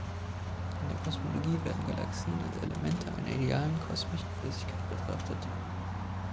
In der Kosmologie werden Galaxien als Elemente einer idealen kosmischen Flüssigkeit betrachtet.